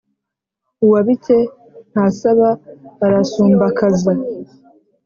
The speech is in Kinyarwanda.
Uwabike ntasaba arasumbakaza.